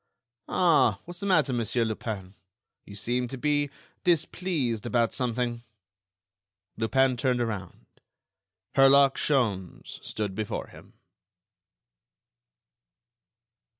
"Ah! what's the matter, Monsieur Lupin? You seem to be displeased about something." Lupin turned around. Herlock Sholmes stood before him!